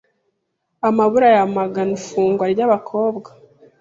amabura yamagana ifungwa ry’abakobwa